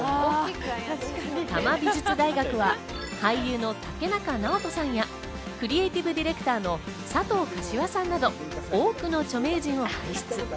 多摩美術大学は俳優の竹中直人さんや、クリエイティブディレクターの佐藤可士和さんなど、多くの著名人を輩出。